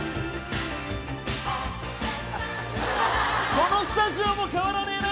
このスタジオも変わらねえな。